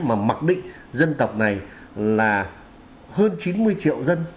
mà mặc định dân tộc này là hơn chín mươi triệu dân